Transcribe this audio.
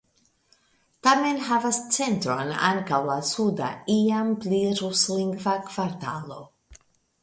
Tamen havas centron ankaŭ la suda (iam pli ruslingva) kvartalo.